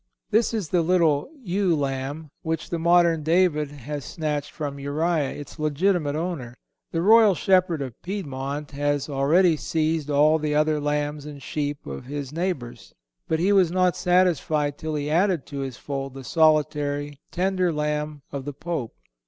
(184) This is the little ewe lamb which the modern David has snatched from Uriah, its legitimate owner. The royal shepherd of Piedmont had already seized all the other lambs and sheep of his neighbors; but he was not satisfied till he added to his fold the solitary, tender lamb of the Pope.